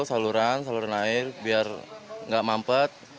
saluran saluran air biar nggak mampet